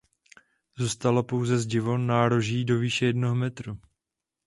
Zůstalo pouze zdivo nároží do výše jednoho metru.